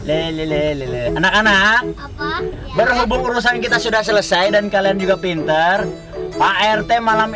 ini anak anak berhubung urusan kita sudah selesai dan kalian juga pinter pak rt malam